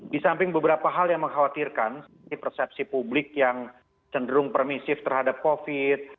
di samping beberapa hal yang mengkhawatirkan seperti persepsi publik yang cenderung permisif terhadap covid